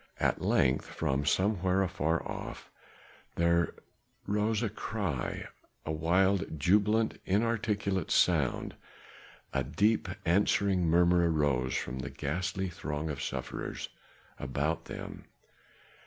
At length from somewhere afar off there rose a cry a wild, jubilant, inarticulate sound; a deep answering murmur arose from the ghastly throng of sufferers about them.